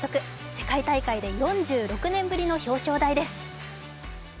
世界大会で４６年ぶりの表彰台です